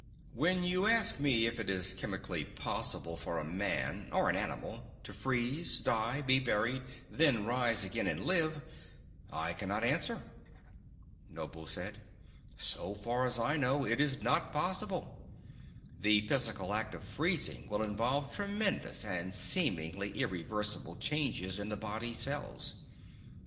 "When you ask me if it is chemically possible for a man or an animal to freeze, die, be buried, then rise again and live, I cannot answer," Noble said. "So far as I know, it is not possible. The physical act of freezing will involve tremendous and seemingly irreversible changes in the body cells.